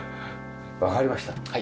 わかりました。